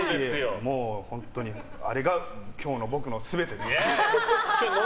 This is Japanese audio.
もう、本当にあれが今日の僕の全てです。